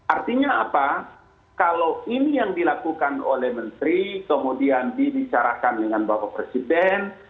artinya apa kalau ini yang dilakukan oleh menteri kemudian dibicarakan dengan bapak presiden